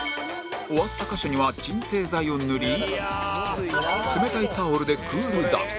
終わった箇所には鎮静剤を塗り冷たいタオルでクールダウン